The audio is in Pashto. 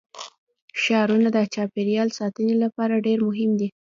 ښارونه د چاپیریال ساتنې لپاره ډېر مهم دي.